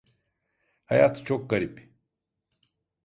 Hayat çok garip.